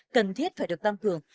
cần thiết phải được tăng cường